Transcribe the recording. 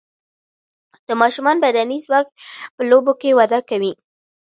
د ماشومان بدني ځواک په لوبو کې وده کوي.